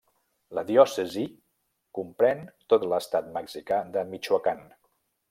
La diòcesi comprèn tot l'estat mexicà de Michoacán.